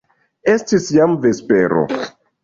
Estis jam vespero.